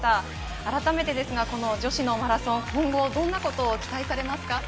あらためてですが、女子のマラソン、今後どんなことを期待されますか？